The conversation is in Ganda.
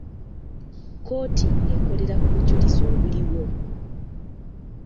Kkooti ekolera ku bujulizi obuliwo.